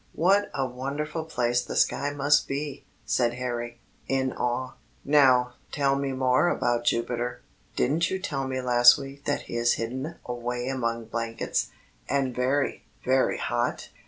"What a wonderful place the sky must be!" said Harry, in awe. "Now, tell me some more about Jupiter. Didn't you tell me last week that he is hidden away among blankets, and very, very hot?"